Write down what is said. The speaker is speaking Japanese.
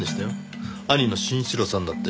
兄の真一郎さんだって。